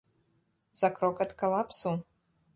За крок ад калапсу?